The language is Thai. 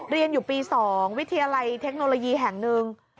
เรียนอยู่ปี๒วิทยาลัยเทคโนโลยีแห่งหนึ่ง